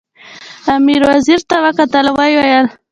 امیر وزیر ته وکتل او ویې ویل.